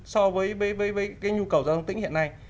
so với cái nhu cầu giao thông tĩnh hiện nay